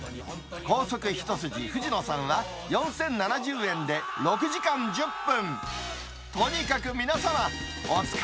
高速一筋藤野さんは４０７０円で６時間１０分。